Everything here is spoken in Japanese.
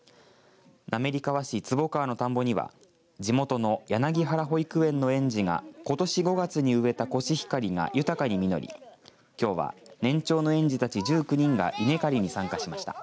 滑川市坪川の田んぼには地元のやなぎはら保育園の園児がことし５月に植えたコシヒカリが豊かに実りきょうは年長の園児たち１９人が稲刈りに参加しました。